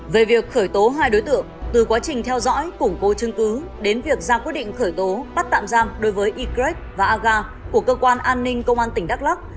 về việc khởi tố hai đối tượng từ quá trình theo dõi củng cố chứng cứ đến việc ra quyết định khởi tố bắt tạm giam đối với ygrec và aga của cơ quan an ninh công an tỉnh đắk lắc